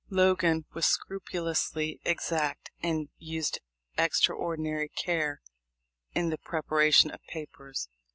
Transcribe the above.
Logan was scrupulously exact, and used extraordinary care in the preparation of papers.